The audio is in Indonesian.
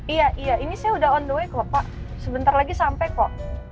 iya iya ini saya udah on the way kok pak sebentar lagi sampai kok